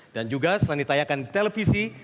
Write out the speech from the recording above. dan juga selain ditayakan di televisi